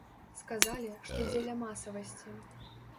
Сказалі, што дзеля масавасці.